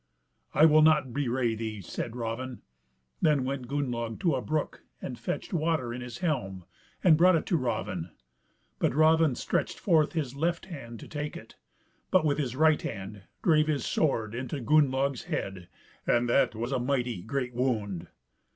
"I will not bewray thee," said Raven. Then went Gunnlaug to a brook and fetched water in his helm, and brought it to Raven; but Raven stretched forth his left hand to take it, but with his right hand drave his sword into Gunnlaug's head, and that was a mighty great wound.